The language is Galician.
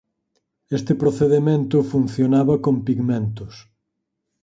Este procedemento funcionaba con pigmentos.